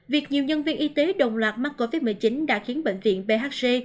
việc nhiều nhân viên y tế đồng loạt mắc covid một mươi chín đã khiến bệnh viện bhc